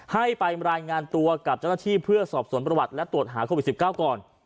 ให้ไปรายงานตัวกับเจ้าหน้าที่เพื่อสอบสวนประวัติและตรวจหาโควิด๑๙ก่อน